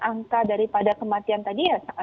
angka daripada kematian tadi ya